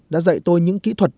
đã dạy tôi những kỹ thuật